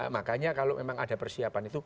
makanya kalau memang ada persiapan itu